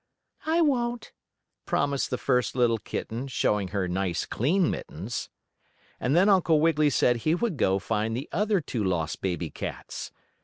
"I won't," promised the first little kitten, showing her nice, clean mittens. And then Uncle Wiggily said he would go find the other two lost baby cats.